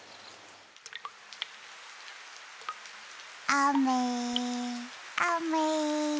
あめあめ。